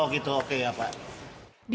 oh gitu oke ya pak